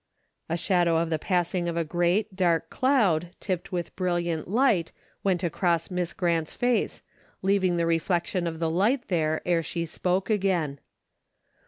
A shadow of the passing of a great dark cloud, tipped with brilliant light, went across Miss Grant's face, leaving the reflection of the light there, ere she spoke again.